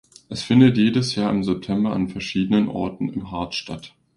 Es findet jedes Jahr im September an verschiedenen Orten im Harz statt.